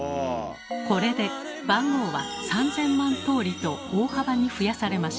これで番号は３，０００万通りと大幅に増やされました。